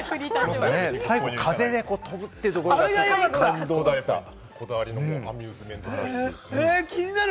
最後に風で飛ぶというところこだわりのアミューズメントです。